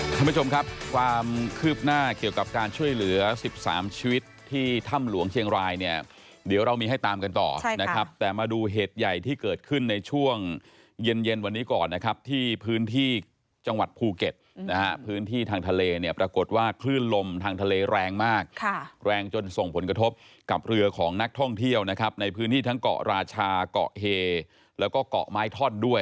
ท่านผู้ชมครับความคืบหน้าเกี่ยวกับการช่วยเหลือ๑๓ชีวิตที่ถ้ำหลวงเชียงรายเนี่ยเดี๋ยวเรามีให้ตามกันต่อนะครับแต่มาดูเหตุใหญ่ที่เกิดขึ้นในช่วงเย็นเย็นวันนี้ก่อนนะครับที่พื้นที่จังหวัดภูเก็ตนะฮะพื้นที่ทางทะเลเนี่ยปรากฏว่าคลื่นลมทางทะเลแรงมากแรงจนส่งผลกระทบกับเรือของนักท่องเที่ยวนะครับในพื้นที่ทั้งเกาะราชาเกาะเฮแล้วก็เกาะไม้ท่อนด้วย